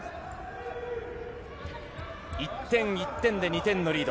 １点、１点で２点のリード。